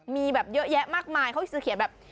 มีแบบเยอะแยะมากมายเขาจะเขียนแบบ